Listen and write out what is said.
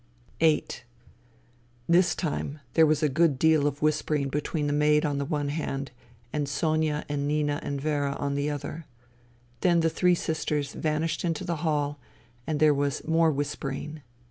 50 FUTILITY VIII This time there was a good deal of whispering between the maid on the one hand, and Sonia and Nina and Vera on the other. Then the three sisters vanished into the hall, and there was more whispering.